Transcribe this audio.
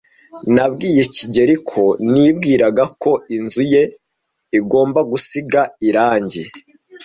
Nabwiye kigeli ko nibwiraga ko inzu ye igomba gusiga irangi.